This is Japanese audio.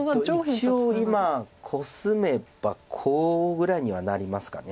一応今コスめばコウぐらいにはなりますか。